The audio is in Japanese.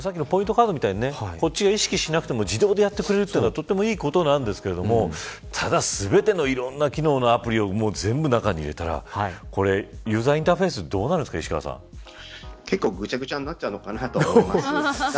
カードみたいにこっちが意識しなくても自動でやってくれるなんてとてもいいことなんですけどただ、全てのいろんな機能のアプリを、全部中に入れたらユーザーインターフェース結構ぐちゃぐちゃになっちゃうのかなと思いますね。